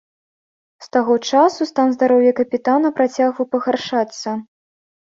З таго часу стан здароўя капітана працягваў пагаршацца.